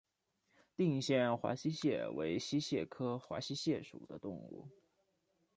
定县华溪蟹为溪蟹科华溪蟹属的动物。